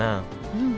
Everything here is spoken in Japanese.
うん！